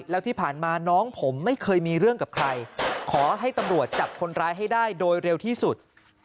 แล้วที่ผ่านมาน้องผมไม่เคยมีเรื่องกับใครขอให้ตำรวจจับคนร้ายให้ได้โดยเร็วที่สุด